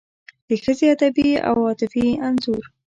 د ښځې ادبي او عاطفي انځور